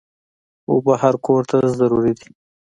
اوبه هر کور ته ضروري دي.